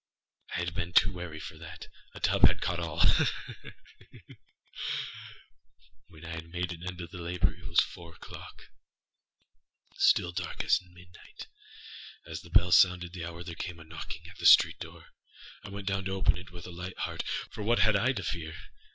I had been too wary for that. A tub had caught allâha! ha! When I had made an end of these labors, it was four oâclockâstill dark as midnight. As the bell sounded the hour, there came a knocking at the street door. I went down to open it with a light heart, âfor what had I now to fear?